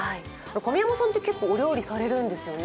神山さんって結構お料理されるんですよね。